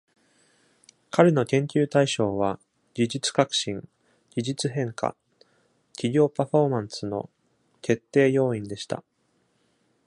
彼の研究対象は、技術革新、技術変化、企業パフォーマンスの決定要因でした。